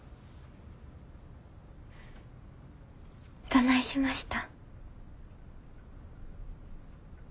どないしました？